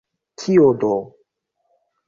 Kio do?